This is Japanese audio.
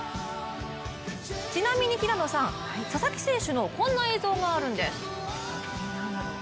ちなみに平野さん、佐々木選手のこんな映像があるんです。